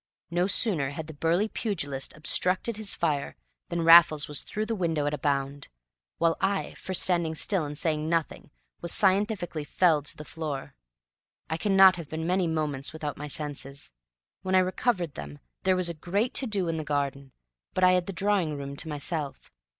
No sooner had the burly pugilist obstructed his fire than Raffles was through the window at a bound; while I, for standing still and saying nothing, was scientifically felled to the floor. I cannot have been many moments without my senses. When I recovered them there was a great to do in the garden, but I had the drawing room to myself.